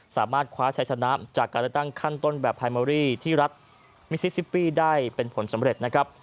สามารถคว้าใช้ชนะจากการเลือกตั้งขั้นต้นแบบไฮเมอรี่ที่รัฐมิซิซิปปี้ได้เป็นผลสำเร็จนะครับ